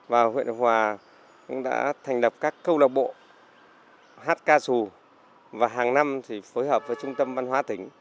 và huyện hòa cũng đã thành lập các câu lạc bộ hát ca xù và hàng năm phối hợp với trung tâm văn hóa tỉnh